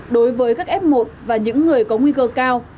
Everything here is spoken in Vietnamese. đối với các f một và những người có nguy cơ cao